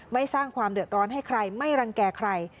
สร้างความเดือดร้อนให้ใครไม่รังแก่ใคร